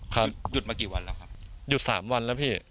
หยุดมากี่วันแล้วครับหยุดสามวันแล้วพี่